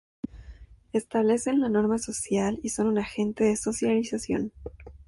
Establecen la norma social y son un agente de socialización.